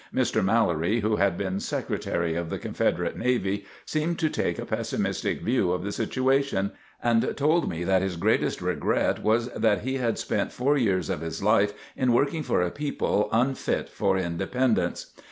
Mr. Mallory, who had been Secretary of the Confederate Navy, seemed to take a pessimistic view of the situation, and told me that his greatest regret was that he had spent four years of his life in working for a people unfit for independence.